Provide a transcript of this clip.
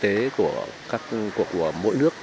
tình hình kinh tế của mỗi nước